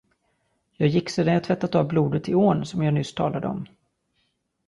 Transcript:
Jag gick sedan jag tvättat av blodet i ån som jag nyss talade om.